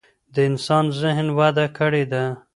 د انسان ذهن وده کړې ده.